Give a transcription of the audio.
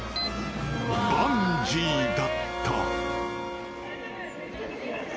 ［バンジーだった］